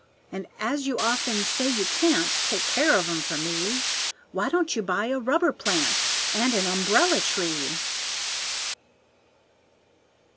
"And as you often say you can't Take care of 'em for me, Why don't you buy a rubber plant, And an umbrella tree?"